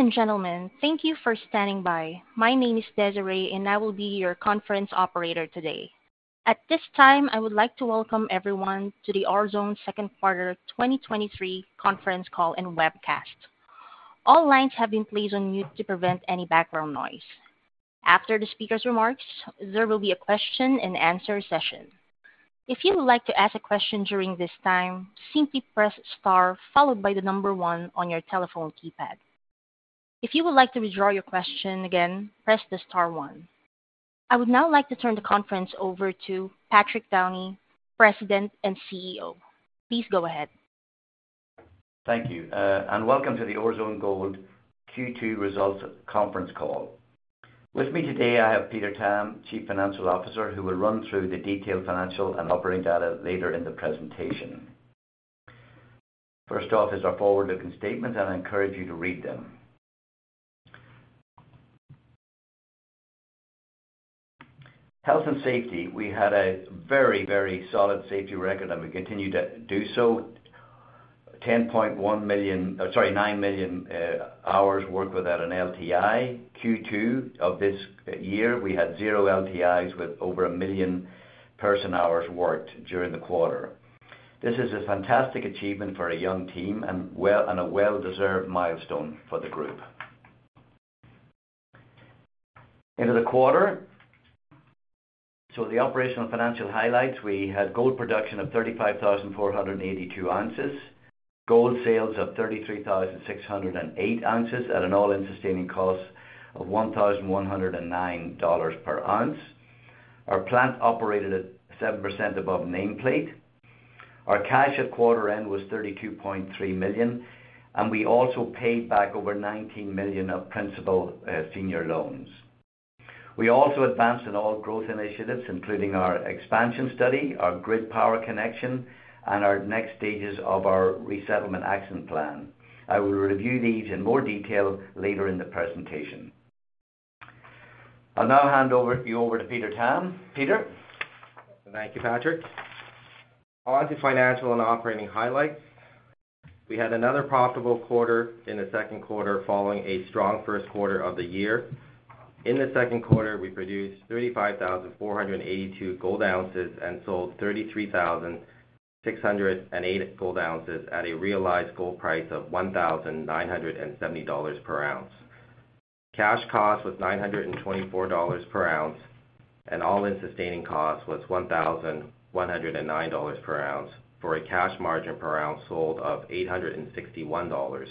Ladies and gentlemen, thank you for standing by. My name is Desiree. I will be your conference operator today. At this time, I would like to Welcome everyone to the Orezone Q2 2023 Conference Call and Webcast. All lines have been placed on mute to prevent any background noise. After the speaker's remarks, there will be a question and answer session. If you would like to ask a question during this time, simply press Star followed by the number one on your telephone keypad. If you would like to withdraw your question again, press the star one. I would now like to turn the conference over to Patrick Downey, President and CEO. Please go ahead. Thank you, Welcome to the Orezone Gold Q2 Results Conference Call. With me today, I have Peter Tam, Chief Financial Officer, who will run through the detailed financial and operating data later in the presentation. First off is our forward-looking statements. I encourage you to read them. Health and safety, we had a very, very solid safety record. We continued to do so. 10.1 million, sorry, 9 million hours worked without an LTI. Q2 of this year, we had 0 LTIs with over 1 million person-hours worked during the quarter. This is a fantastic achievement for a young team and a well-deserved milestone for the group. Into the quarter, the operational financial highlights, we had gold production of 35,482 ounces, gold sales of 33,608 ounces at an All-In Sustaining Cost of $1,109 per ounce. Our plant operated at 7% above nameplate. Our cash at quarter end was $32.3 million. We also paid back over $19 million of principal senior loans. We also advanced in all growth initiatives, including our expansion study, our grid power connection, and our next stages of our Resettlement Action Plan. I will review these in more detail later in the presentation. I'll now hand over you over to Peter Tam. Peter? Thank you, Patrick. On to financial and operating highlights. We had another profitable quarter in the Q2, following a strong Q1 of the year. In the Q2, we produced 35,482 gold ounces and sold 33,608 gold ounces at a realized gold price of $1,970 per ounce. Cash cost was $924 per ounce, and All-In Sustaining Cost was $1,109 per ounce, for a cash margin per ounce sold of $861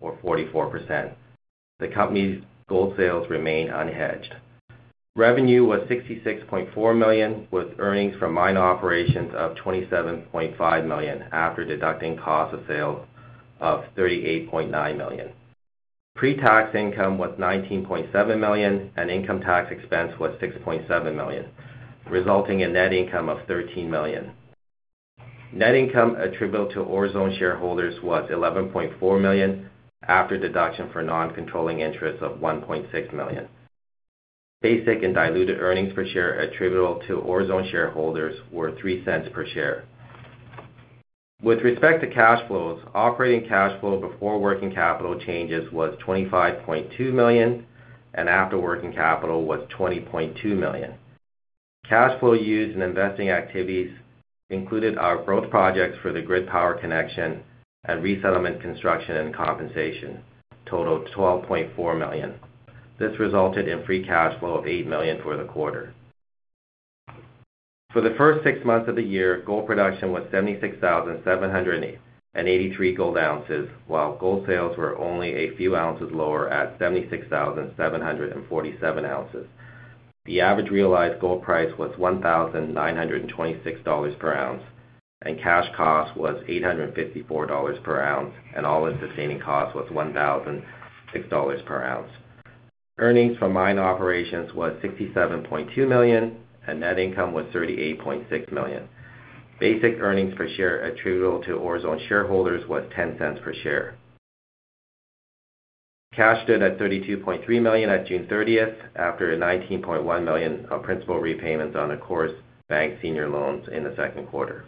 or 44%. The company's gold sales remain unhedged. Revenue was $66.4 million, with earnings from mine operations of $27.5 million after deducting cost of sales of $38.9 million. Pre-tax income was $19.7 million, income tax expense was $6.7 million, resulting in net income of $13 million. Net income attributable to Orezone shareholders was $11.4 million, after deduction for non-controlling interests of $1.6 million. Basic and diluted earnings per share attributable to Orezone shareholders were $0.03 per share. With respect to cash flows, operating cash flow before working capital changes was $25.2 million, after working capital was $20.2 million. Cash flow used in investing activities included our growth projects for the grid power connection and resettlement, construction, and compensation, total $12.4 million. This resulted in free cash flow of $8 million for the quarter. For the first six months of the year, gold production was 76,783 gold ounces, while gold sales were only a few ounces lower at 76,747 ounces. The average realized gold price was $1,926 per ounce. Cash cost was $854 per ounce. All-in Sustaining Cost was $1,006 per ounce. Earnings from mine operations was $67.2 million. Net income was $38.6 million. Basic earnings per share attributable to Orezone shareholders was $0.10 per share. Cash stood at $32.3 million at June 30th, after a $19.1 million of principal repayments on the Coris Bank senior loans in the Q2.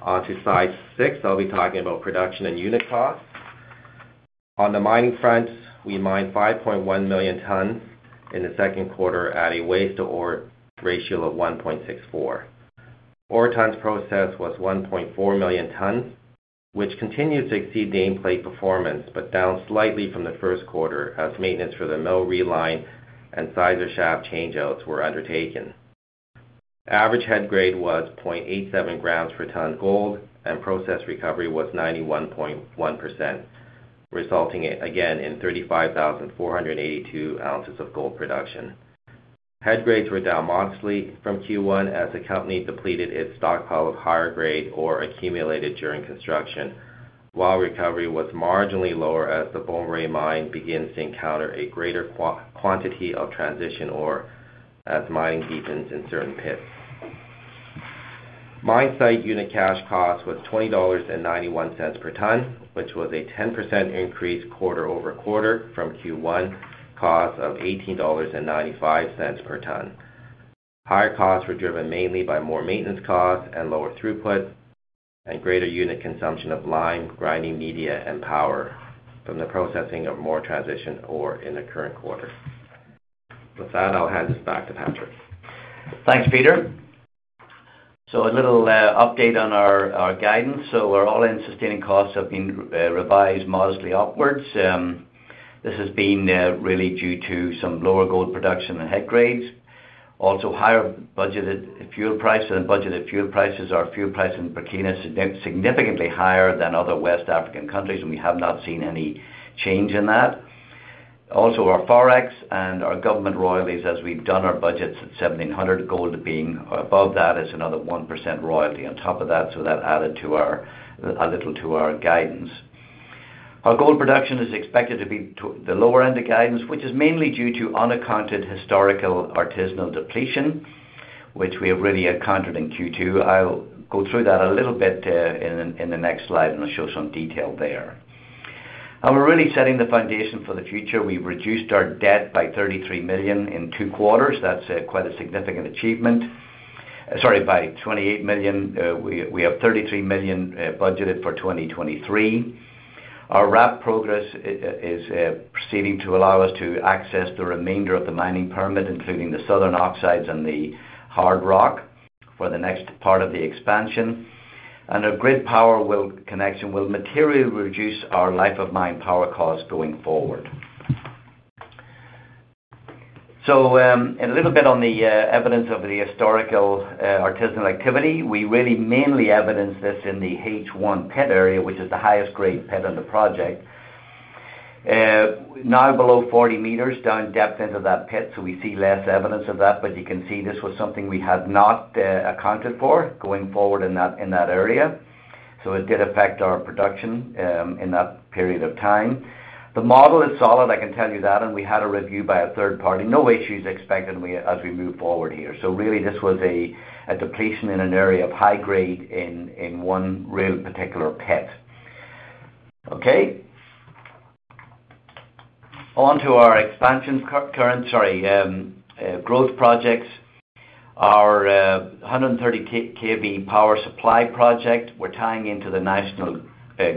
On to slide six, I'll be talking about production and unit costs. On the mining front, we mined 5.1 million tons in the Q2 at a waste to ore ratio of 1.64. Ore tons processed was 1.4 million tons, which continues to exceed nameplate performance, down slightly from the Q1 as maintenance for the mill reline and sizer shaft changeouts were undertaken. Average head grade was 0.87 grams per ton gold, process recovery was 91.1%, resulting again in 35,482 ounces of gold production. Head grades were down modestly from Q1 as the company depleted its stockpile of higher grade ore accumulated during construction, while recovery was marginally lower as the Bomboré mine begins to encounter a greater quantity of transition ore as mining deepens in certain pits. Mine site unit cash cost was $20.91 per ton, which was a 10% increase quarter-over-quarter from Q1 cost of $18.95 per ton. Higher costs were driven mainly by more maintenance costs and lower throughput, and greater unit consumption of lime, grinding media, and power from the processing of more transition ore in the current quarter. With that, I'll hand this back to Patrick. Thanks, Peter. A little update on our guidance. Our All-In Sustaining Costs have been revised modestly upwards. This has been really due to some lower gold production and head grades, also higher budgeted fuel prices, and budgeted fuel prices, our fuel price in Burkina is significantly higher than other West African countries, and we have not seen any change in that. Also, our Forex and our government royalties, as we've done our budgets at $1,700, gold being above that, is another 1% royalty on top of that, so that added a little to our guidance. Our gold production is expected to be the lower end of guidance, which is mainly due to unaccounted historical artisanal depletion, which we have really encountered in Q2. I'll go through that a little bit in the next slide, and I'll show some detail there. We're really setting the foundation for the future. We've reduced our debt by $33 million in two quarters. That's quite a significant achievement. Sorry, by $28 million. We have $33 million budgeted for 2023. Our RAP progress is proceeding to allow us to access the remainder of the mining permit, including the southern oxides and the hard rock, for the next part of the expansion. A grid power will connection, will materially reduce our life of mine power costs going forward. A little bit on the evidence of the historical artisanal activity. We really mainly evidence this in the H1 pit area, which is the highest-grade pit on the project. Now below 40 meters, down depth into that pit, we see less evidence of that. You can see this was something we had not accounted for going forward in that, in that area. It did affect our production in that period of time. The model is solid, I can tell you that, and we had a review by a third party. No issues expected as we move forward here. Really, this was a depletion in an area of high grade in one real particular pit. Okay. On to our expansion growth projects. Our 130 kV power supply project, we're tying into the national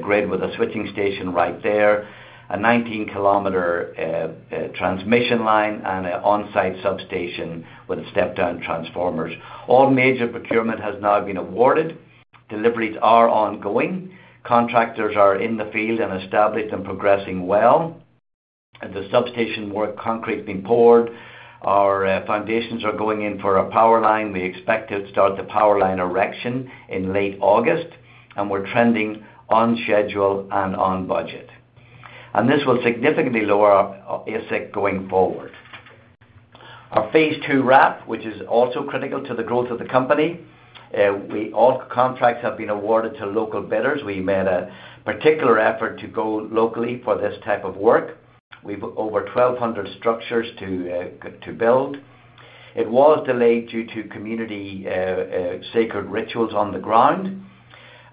grid with a switching station right there, a 19-kilometer transmission line and an on-site substation with step-down transformers. All major procurement has now been awarded. Deliveries are ongoing. Contractors are in the field and established and progressing well. At the substation, work concrete's being poured. Our foundations are going in for a power line. We expect to start the power line erection in late August, we're trending on schedule and on budget. This will significantly lower our AISC going forward. Our phase II RAP, which is also critical to the growth of the company, we - all contracts have been awarded to local bidders. We made a particular effort to go locally for this type of work. We've over 1,200 structures to build. It was delayed due to community sacred rituals on the ground.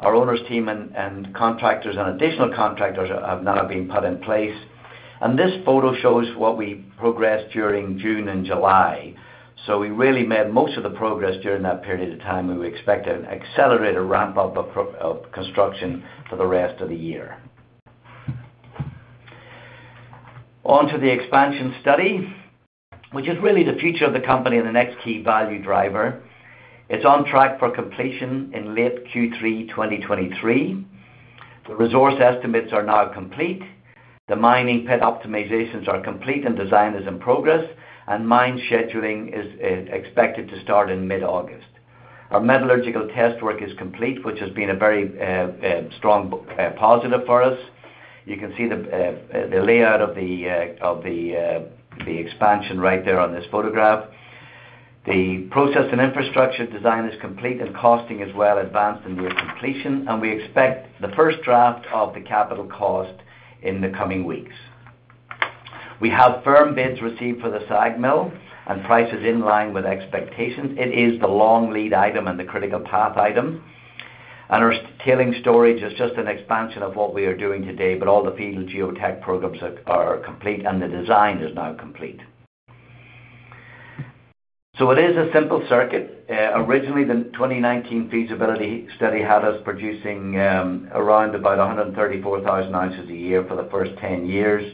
Our owners team and contractors, and additional contractors have now been put in place. This photo shows what we progressed during June and July. We really made most of the progress during that period of time, and we expect an accelerated ramp-up of construction for the rest of the year. On to the expansion study, which is really the future of the company and the next key value driver. It's on track for completion in late Q3 2023. The resource estimates are now complete. The mining pit optimizations are complete. Design is in progress, and mine scheduling is expected to start in mid-August. Our metallurgical test work is complete, which has been a very strong positive for us. You can see the layout of the expansion right there on this photograph. The process and infrastructure design is complete, costing is well advanced and near completion, we expect the first draft of the capital cost in the coming weeks. We have firm bids received for the SAG mill, price is in line with expectations. It is the long lead item and the critical path item. Our tailings storage is just an expansion of what we are doing today, all the field geotech programs are complete, the design is now complete. It is a simple circuit. Originally, the 2019 feasibility study had us producing around about 134,000 ounces a year for the first 10 years.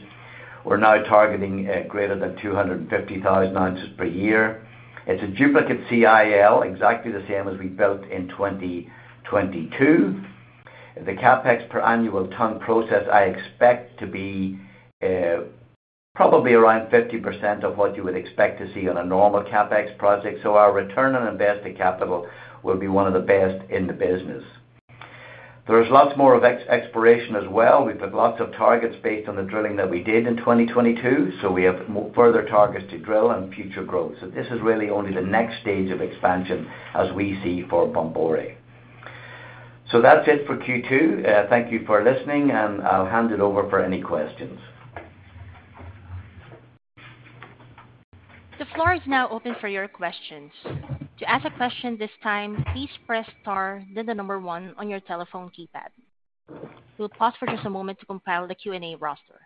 We're now targeting greater than 250,000 ounces per year. It's a duplicate CIL, exactly the same as we built in 2022. The CapEx per annual ton process, I expect to be probably around 50% of what you would expect to see on a normal CapEx project. Our return on invested capital will be one of the best in the business. There is lots more exploration as well. We've got lots of targets based on the drilling that we did in 2022, so we have further targets to drill and future growth. This is really only the next stage of expansion as we see for Bomboré. That's it for Q2. Thank you for listening, and I'll hand it over for any questions. The floor is now open for your questions. To ask a question this time, please press star, then the number one on your telephone keypad. We'll pause for just a moment to compile the Q&A roster.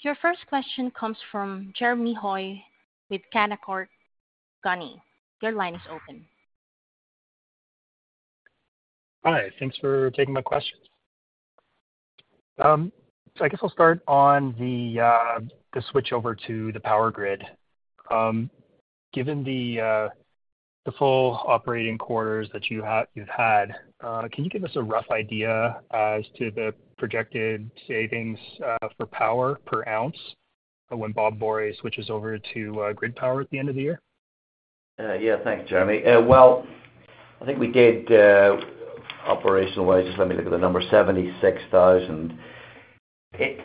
Your first question comes from Jeremy Hoy with Canaccord Genuity. Your line is open. Hi, thanks for taking my question. I guess I'll start on the, the switch over to the power grid. Given the, the full operating quarters that you've had, can you give us a rough idea as to the projected savings, for power per ounce when Bomboré switches over to, grid power at the end of the year? Yeah, thanks, Jeremy. Well, I think we did operational wise, just let me look at the number 76,000. It,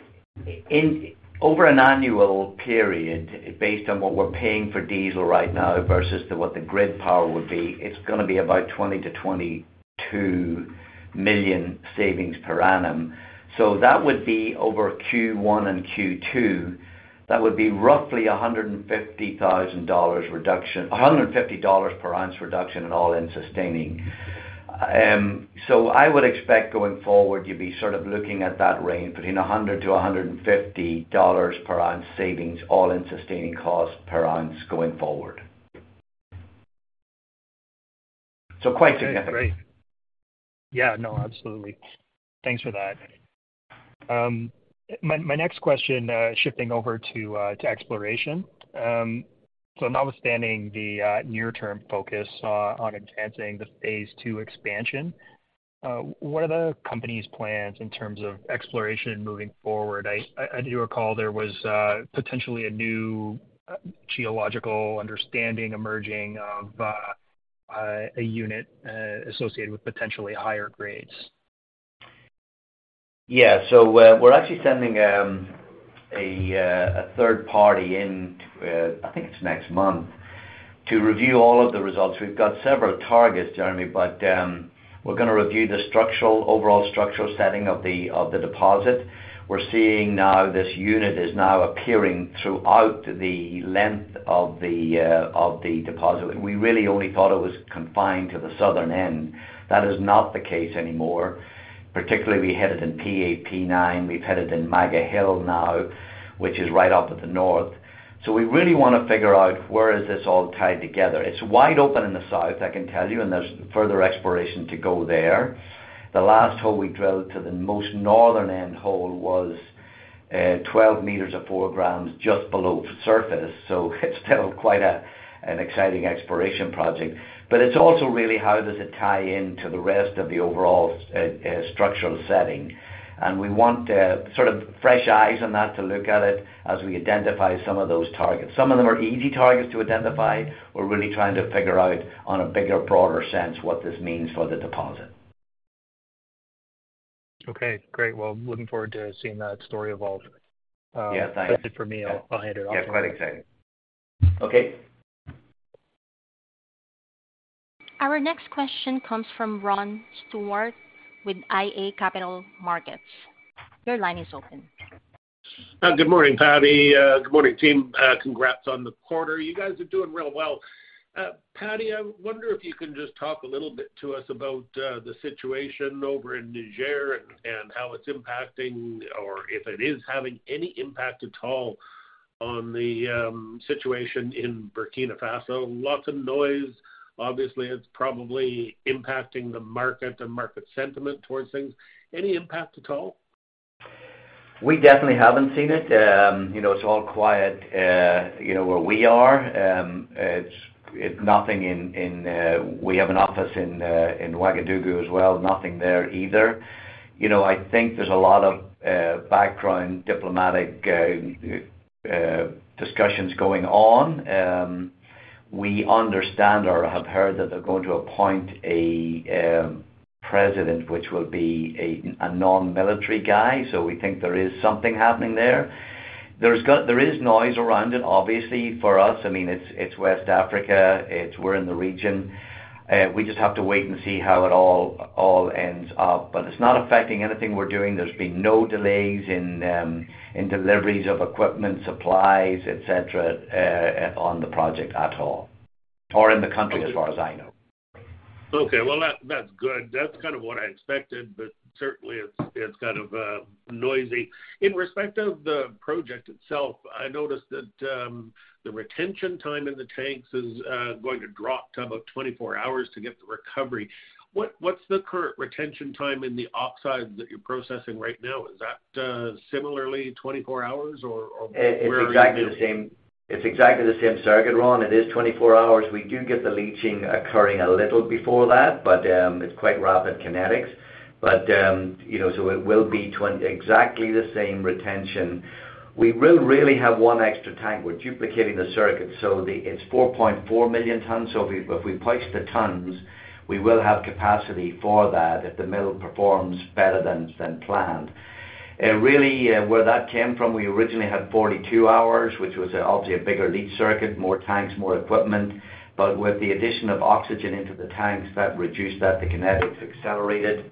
in, over an annual period, based on what we're paying for diesel right now versus to what the grid power would be, it's gonna be about $20 million-$22 million savings per annum. That would be over Q1 and Q2. That would be roughly a $150,000 reduction, $150 per ounce reduction in All-in Sustaining. I would expect, going forward, you'd be sort of looking at that range, between $100-$150 per ounce savings, All-in Sustaining Costs per ounce going forward. Quite significant. Great. Yeah, no, absolutely. Thanks for that. My, my next question, shifting over to exploration. Notwithstanding the near-term focus on enhancing the phase II expansion, what are the company's plans in terms of exploration moving forward? I, I, I do recall there was potentially a new geological understanding emerging of a unit associated with potentially higher grades. Yeah. We're actually sending a third party in to, I think it's next month, to review all of the results. We've got several targets, Jeremy, but we're gonna review the structural, overall structural setting of the deposit. We're seeing now this unit is now appearing throughout the length of the deposit. We really only thought it was confined to the southern end. That is not the case anymore. Particularly, we hit it in P8P9, we've hit it in Maga Hill now, which is right up at the north. We really wanna figure out where is this all tied together. It's wide open in the south, I can tell you, and there's further exploration to go there. The last hole we drilled to the most northern end hole was 12 meters of 4 grams just below surface, so it's still quite an exciting exploration project. It's also really how does it tie in to the rest of the overall structural setting. We want sort of fresh eyes on that to look at it as we identify some of those targets. Some of them are easy targets to identify. We're really trying to figure out on a bigger, broader sense, what this means for the deposit. Okay, great. Well, looking forward to seeing that story evolve. Yeah, thanks. That's it for me. I'll, I'll hand it off. Yeah, quite exciting. Okay. Our next question comes from Ron Stewart with IA Capital Markets. Your line is open. Good morning, Patty. Good morning, team. Congrats on the quarter. You guys are doing real well. Patty, I wonder if you can just talk a little bit to us about the situation over in Niger, and how it's impacting, or if it is having any impact at all on the situation in Burkina Faso. Lots of noise. Obviously, it's probably impacting the market and market sentiment towards things. Any impact at all? We definitely haven't seen it. You know, it's all quiet, you know, where we are. It's, it's nothing in, in, we have an office in Ouagadougou as well. Nothing there either. You know, I think there's a lot of background diplomatic discussions going on. We understand or have heard that they're going to appoint a president, which will be a non-military guy, so we think there is something happening there. There is noise around it, obviously, for us. I mean, it's, it's West Africa, it's... We're in the region. We just have to wait and see how it all, all ends up. It's not affecting anything we're doing. There's been no delays in, in deliveries of equipment, supplies, et cetera, on the project at all, or in the country, as far as I know. Okay. Well, that, that's good. That's kind of what I expected, but certainly it's, it's kind of noisy. In respect of the project itself, I noticed that the retention time in the tanks is going to drop to about 24 hours to get the recovery. What, what's the current retention time in the oxides that you're processing right now? Is that similarly 24 hours? It's exactly the same. It's exactly the same circuit, Ron. It is 24 hours. We do get the leaching occurring a little before that, but it's quite rapid kinetics. You know, so it will be exactly the same retention. We will really have one extra tank. We're duplicating the circuit, so the, it's 4.4 million tons. If we, if we push the tons, we will have capacity for that, if the mill performs better than, than planned. Really, where that came from, we originally had 42 hours, which was obviously a bigger lead circuit, more tanks, more equipment. With the addition of oxygen into the tanks, that reduced that, the kinetics accelerated.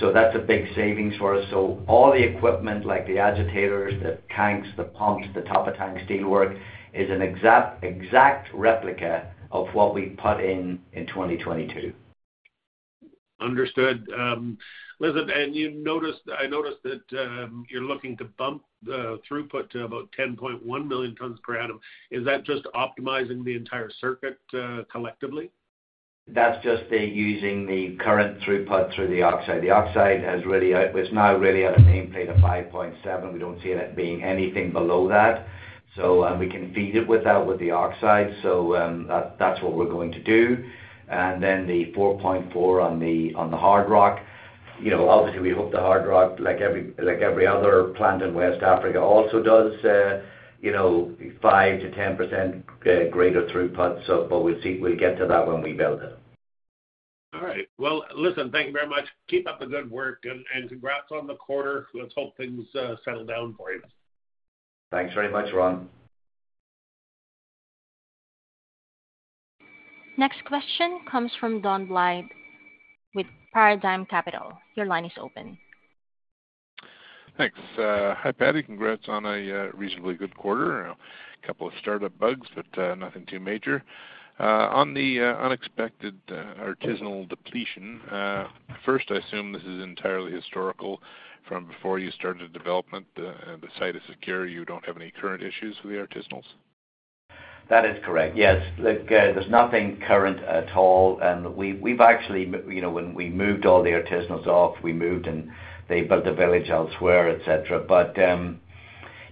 That's a big savings for us. All the equipment, like the agitators, the tanks, the pumps, the top of tanks steelwork, is an exact, exact replica of what we put in in 2022. Understood. listen, I noticed that you're looking to bump the throughput to about 10.1 million tons per annum. Is that just optimizing the entire circuit collectively? That's just the using the current throughput through the oxide. The oxide has really, it's now really at a nameplate of 5.7. We don't see it as being anything below that, so, we can feed it with that, with the oxide. That's what we're going to do. Then the 4.4 on the, on the hard rock, you know, obviously, we hope the hard rock, like every, like every other plant in West Africa, also does, you know, 5%-10% greater throughput. But we'll see. We'll get to that when we build it. All right. Well, listen, thank you very much. Keep up the good work, and, and congrats on the quarter. Let's hope things settle down for you. Thanks very much, Ron. Next question comes from Don Blyth with Paradigm Capital. Your line is open. Thanks. Hi, Patrick Downey. Congrats on a reasonably good Q2 startup bugs, but nothing too major. On the unexpected artisanal depletion, first, I assume this is entirely historical from before you started development, and the site is secure, you don't have any current issues with the artisanals? That is correct. Yes, look, there's nothing current at all, and we've actually, you know, when we moved all the artisanals off, we moved, and they built a village elsewhere, et cetera.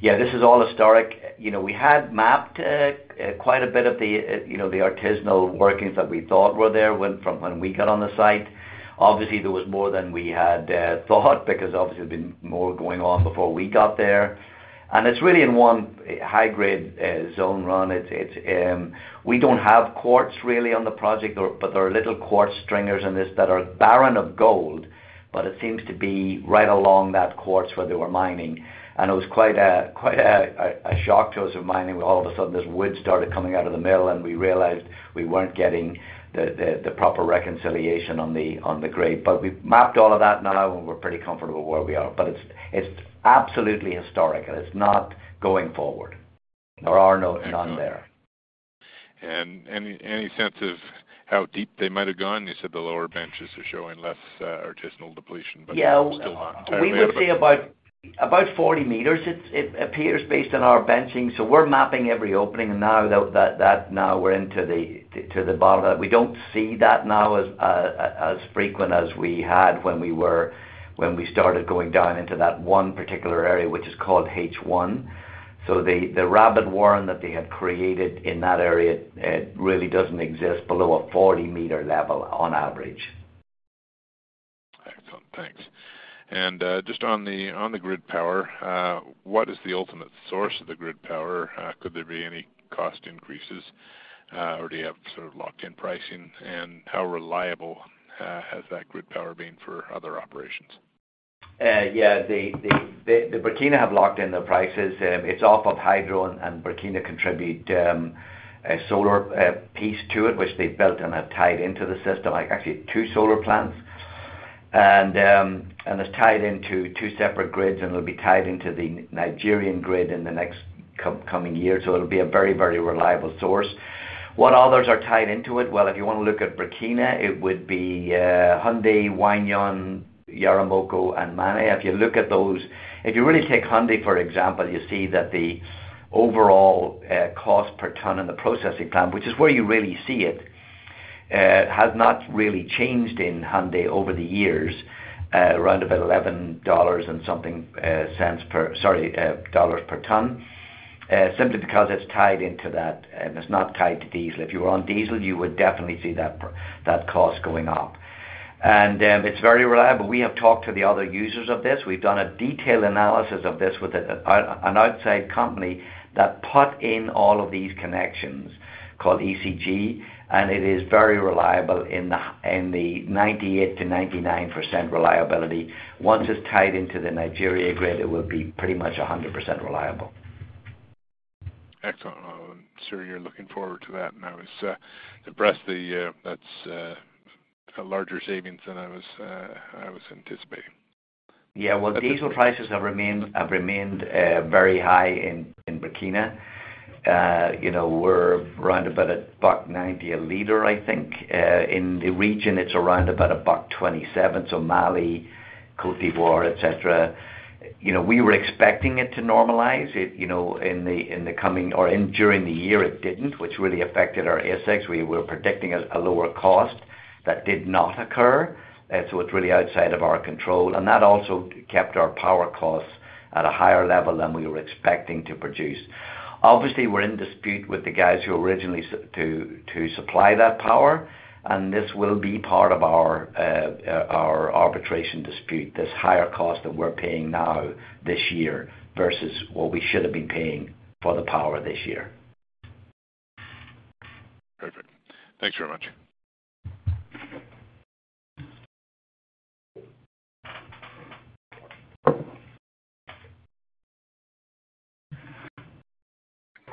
Yeah, this is all historic. You know, we had mapped quite a bit of the, you know, the artisanal workings that we thought were there when, from when we got on the site. Obviously, there was more than we had thought, because obviously there's been more going on before we got there. It's really in one high-grade zone run. It's, we don't have quartz really on the project, but there are little quartz stringers in this that are barren of gold, but it seems to be right along that quartz where they were mining. It was quite a, quite a, a shock to us of mining, where all of a sudden this wood started coming out of the mill, and we realized we weren't getting the, the, the proper reconciliation on the, on the grade. We've mapped all of that now, and we're pretty comfortable where we are. It's, it's absolutely historical. It's not going forward. There are no, none there. Any, any sense of how deep they might have gone? You said the lower benches are showing less artisanal depletion, but- Yeah. Still entirely- We would say about 40 meters. It's, it appears, based on our benching, so we're mapping every opening. Now that, now we're into the, to the bottom of that. We don't see that now as frequent as we had when we started going down into that one particular area, which is called H1. The, the rabbit warren that they had created in that area, it really doesn't exist below a 40-meter level on average. Excellent, thanks. Just on the grid power, what is the ultimate source of the grid power? Could there be any cost increases, or do you have sort of locked in pricing? How reliable has that grid power been for other operations? Yeah, the Burkina have locked in their prices. It's off of hydro, and Burkina contribute a solar piece to it, which they built and have tied into the system, like, actually two solar plants. It's tied into two separate grids, and it'll be tied into the Nigerian grid in the next coming year, so it'll be a very, very reliable source. What others are tied into it? Well, if you want to look at Burkina, it would be Houndé, Wahgnion, Yaramoko, and Mana. If you look at those, if you really take Houndé, for example, you see that the overall cost per ton in the processing plant, which is where you really see it, has not really changed in Houndé over the years, around about $11 and something cents per... Sorry, dollars per ton, simply because it's tied into that and it's not tied to diesel. If you were on diesel, you would definitely see that cost going up. It's very reliable. We have talked to the other users of this. We've done a detailed analysis of this with an outside company that put in all of these connections called ECG, and it is very reliable in the 98%-99% reliability. Once it's tied into the Nigeria grid, it will be pretty much 100% reliable. Excellent. I'm sure you're looking forward to that, and I was impressed. That's a larger savings than I was anticipating. Yeah, well, the diesel prices have remained, have remained, very high in, in Burkina. You know, we're round about $1.90 a liter, I think. In the region, it's around about $1.27, so Mali, Cote d'Ivoire, et cetera. You know, we were expecting it to normalize, it, you know, in the, in the coming or in during the year, it didn't, which really affected our AISC. We were predicting a, a lower cost that did not occur, so it's really outside of our control, and that also kept our power costs at a higher level than we were expecting to produce. Obviously, we're in dispute with the guys who originally to supply that power. This will be part of our arbitration dispute, this higher cost that we're paying now this year versus what we should have been paying for the power this year. Thanks very much.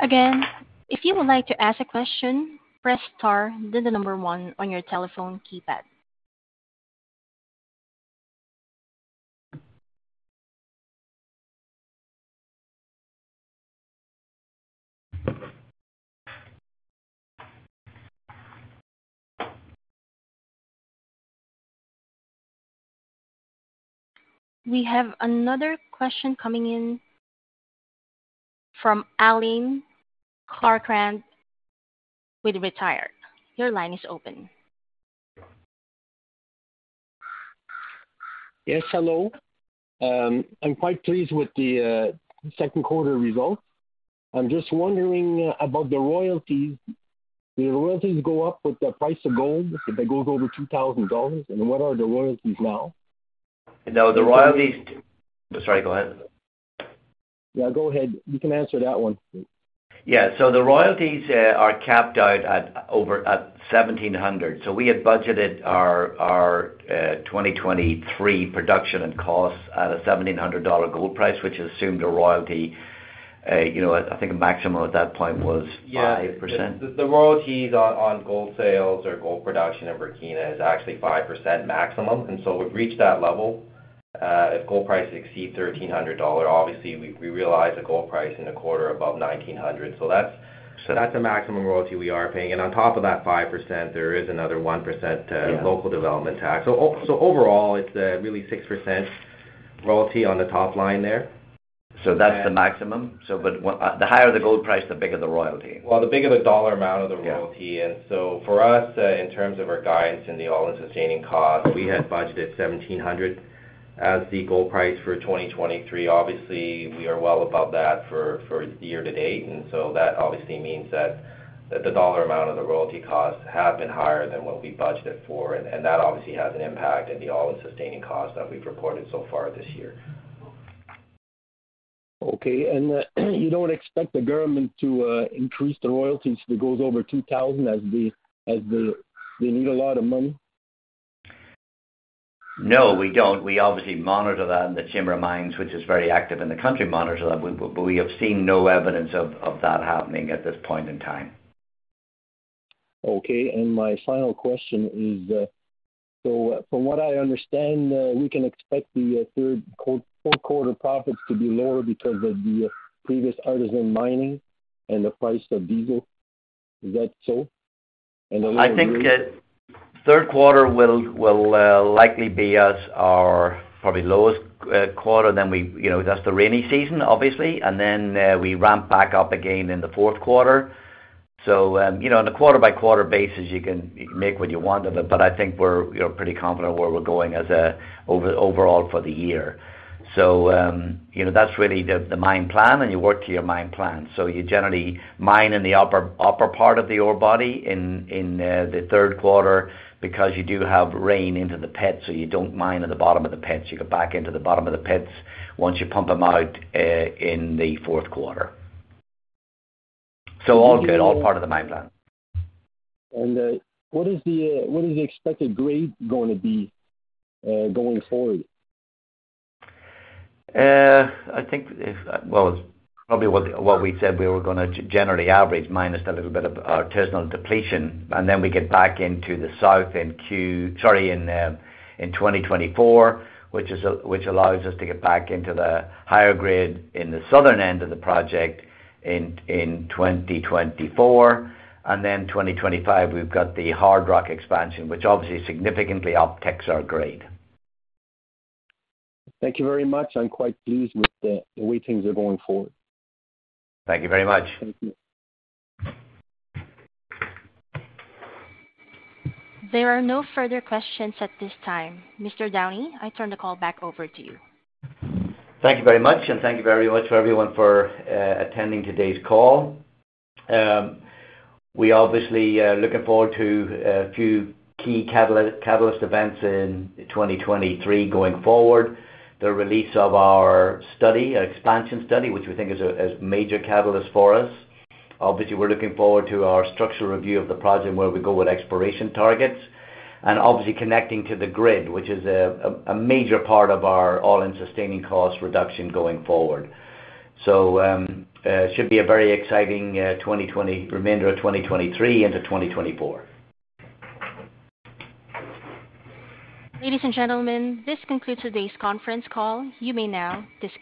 Again, if you would like to ask a question, press Star, then the number one on your telephone keypad. We have another question coming in from Alina Clark with CocoDoc. Your line is open. Yes, hello. I'm quite pleased with the Q2 results. I'm just wondering about the royalties. Do the royalties go up with the price of gold, if they go over $2,000? What are the royalties now? No, the royalties- I'm sorry, go ahead. Yeah, go ahead. You can answer that one. Yeah. The royalties, are capped out at over, at $1,700. We had budgeted our 2023 production and costs at a $1,700 gold price, which assumed a royalty, you know, I think a maximum at that point was 5%. Yeah, the, the royalties on, on gold sales or gold production in Burkina is actually 5% maximum, and so we've reached that level. If gold prices exceed $1,300, obviously we, we realize a gold price in a quarter above $1,900. So that's, so that's the maximum royalty we are paying. On top of that 5%, there is another 1%. Yeah local development tax. Overall, it's really 6% royalty on the top line there. That's the maximum. 1, the higher the gold price, the bigger the royalty. Well, the bigger the dollar amount of the royalty. Yeah. For us, in terms of our guidance and the All-In Sustaining Cost, we had budgeted $1,700 as the gold price for 2023. Obviously, we are well above that for year to date. That obviously means that the dollar amount of the royalty costs have been higher than what we budgeted for. That obviously has an impact in the All-In Sustaining Cost that we've reported so far this year. Okay. You don't expect the government to increase the royalties if it goes over $2,000? They need a lot of money? No, we don't. We obviously monitor that. The Chamber of Mines, which is very active in the country, monitors that. We have seen no evidence of that happening at this point in time. My final question is, from what I understand, we can expect the Q4 profits to be lower because of the previous artisan mining and the price of diesel. Is that so? I think the Q3 will, will likely be as our probably lowest quarter than we, you know, that's the rainy season, obviously, and then we ramp back up again in the Q4. You know, on a quarter-by-quarter basis, you can make what you want of it, but I think we're, you know, pretty confident where we're going as overall for the year. You know, that's really the, the mine plan, and you work to your mine plan. You generally mine in the upper, upper part of the ore body in, in the Q3 because you do have rain into the pit, so you don't mine at the bottom of the pits. You go back into the bottom of the pits once you pump them out in the Q4. All good, all part of the mine plan. What is the, what is the expected grade going to be, going forward? I think if, well, probably what we said we were gonna generally average, minus the little bit of artisanal depletion, then we get back into the south. Sorry, in 2024, which allows us to get back into the higher grade in the southern end of the project in 2024. Then 2025, we've got the hard rock expansion, which obviously significantly upticks our grade. Thank you very much. I'm quite pleased with the way things are going forward. Thank you very much. Thank you. There are no further questions at this time. Mr. Downey, I turn the call back over to you. Thank you very much, thank you very much for everyone for attending today's call. We obviously looking forward to a few key catalyst events in 2023 going forward. The release of our study, expansion study, which we think is a major catalyst for us. Obviously, we're looking forward to our structural review of the project, where we go with exploration targets and obviously connecting to the grid, which is a major part of our All-in Sustaining Cost reduction going forward. should be a very exciting remainder of 2023 into 2024. Ladies and gentlemen, this concludes today's conference call. You may now disconnect.